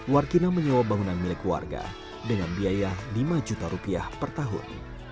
warkina menyewa bangunan milik warga dengan biaya lima juta rupiah per tahun